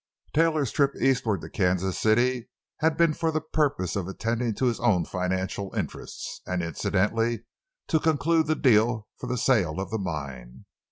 Taylor's trip eastward to Kansas City had been for the purpose of attending to his own financial interests, and incidentally to conclude the deal for the sale of the mine.